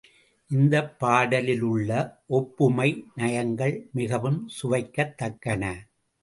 இந்தப் பாடலிலுள்ள ஒப்புமை நயங்கள் மிகவும் சுவைக்கத் தக்கன.